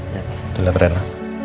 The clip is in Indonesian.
yuk kita lihat rena